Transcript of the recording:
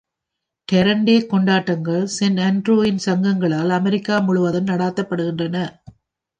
Tartan Day கொண்டாட்டங்கள் Saint Andrew இன் சங்கங்களால் அமெரிக்கா முழுவதும் நடத்தப்படுகின்றன.